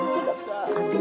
tidak bisa pak man